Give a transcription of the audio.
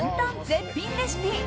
絶品レシピ。